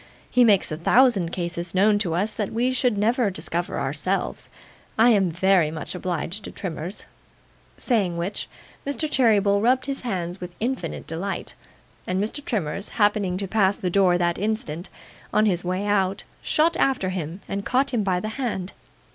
He makes a thousand cases known to us that we should never discover of ourselves. I am VERY much obliged to Trimmers.' Saying which, Mr. Cheeryble rubbed his hands with infinite delight, and Mr. Trimmers happening to pass the door that instant, on his way out, shot out after him and caught him by the hand.